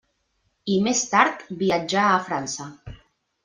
I més tard viatjà a França.